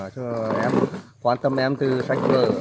cho em quan tâm em từ sách vở